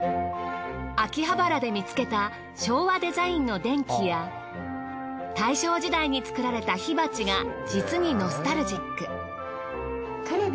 秋葉原で見つけた昭和デザインの電気や大正時代に作られた火鉢が実にノスタルジック。